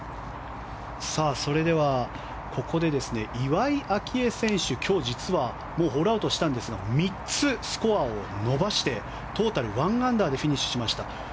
それでは、ここで岩井明愛選手、今日実はもうホールアウトしたんですが３つスコアを伸ばしてトータル１アンダーでフィニッシュしました。